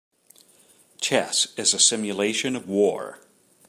Chess is a simulation of war.